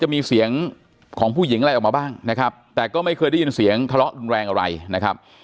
มีเสียงของผู้หญิงอะไรออกมาบ้างนะครับแต่ก็ไม่เคยได้ยินเสียงทะเลาะรุนแรงอะไรนะครับ